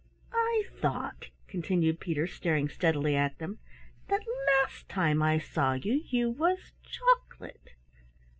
"I thought," continued Peter, staring steadily at them, "that last time I saw you you was choc'late.